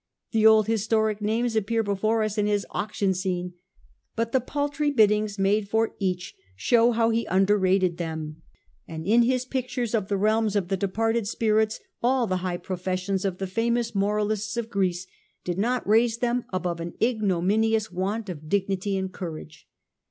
The old historic names appear before us in his auction scene ; but the paltry biddings made for each show how he underrated them, and in his pictures of the realms of the departed spirits all the high professions of the famous moralists of Greece did not raise them above an ignominious want of dignity and courage.